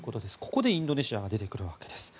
ここでインドネシアが出てくるわけです。